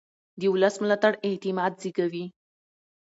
د ولس ملاتړ اعتماد زېږوي